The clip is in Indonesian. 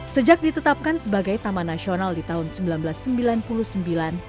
sejak ditetapkan sebagai taman nasional di tahun seribu sembilan ratus sembilan puluh sembilan